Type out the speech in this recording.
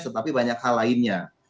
tetapi banyak hal lainnya